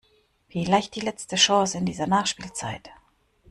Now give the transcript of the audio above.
Vielleicht die letzte Chance in dieser Nachspielzeit.